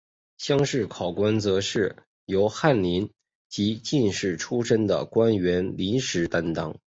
乡试考官则是由翰林及进士出身的官员临时担任。